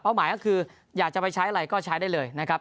หมายก็คืออยากจะไปใช้อะไรก็ใช้ได้เลยนะครับ